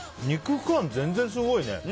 肉感、全然すごいね。